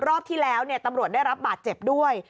รอบที่แล้วตำรวจได้รับบาดเจ็บด้วย